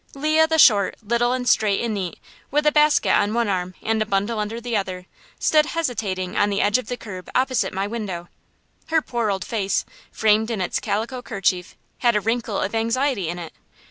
Leah the Short, little and straight and neat, with a basket on one arm and a bundle under the other, stood hesitating on the edge of the curb opposite my window. Her poor old face, framed in its calico kerchief, had a wrinkle of anxiety in it.